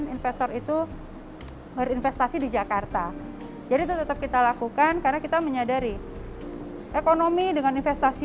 investor itu berinvestasi di jakarta jadi tetap kita lakukan karena kita menyadari ekonomi dengan investasi